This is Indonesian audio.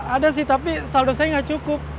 ada sih tapi saldo saya nggak cukup